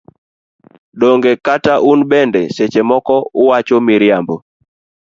Donge kata un bende seche moko uwacho miriambo.